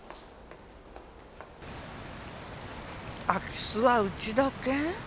空き巣はうちだけ。